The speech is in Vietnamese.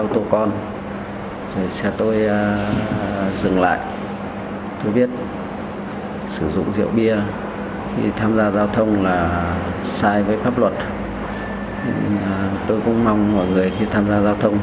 tôi cũng mong mọi người khi tham gia giao thông không nên sử dụng rượu bia